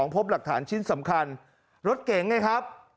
พบหลักฐานชิ้นสำคัญรถเก๋งไงครับ